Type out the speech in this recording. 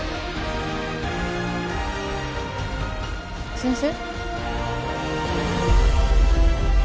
先生？